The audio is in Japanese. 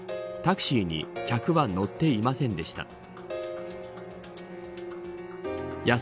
タクシーに客は乗っていませんでした。